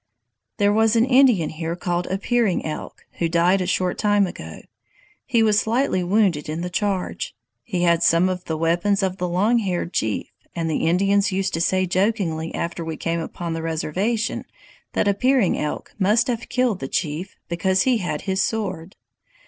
"There was an Indian here called Appearing Elk, who died a short time ago. He was slightly wounded in the charge. He had some of the weapons of the Long Haired Chief, and the Indians used to say jokingly after we came upon the reservation that Appearing Elk must have killed the Chief, because he had his sword!